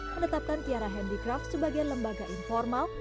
menetapkan tiara handicraft sebagai lembaga informal